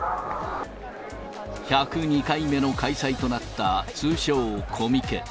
１０２回目の開催となった通称、コミケ。